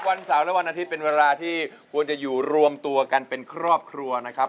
วันเสาร์และวันอาทิตย์เป็นเวลาที่ควรจะอยู่รวมตัวกันเป็นครอบครัวนะครับ